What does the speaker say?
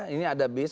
ini ada bis